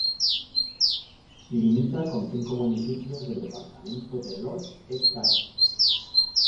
Limita con cinco municipios del departamento de Lot-et-Garonne.